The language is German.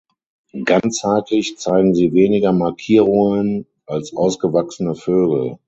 Ganzheitlich zeigen sie weniger Markierungen als ausgewachsene Vögel.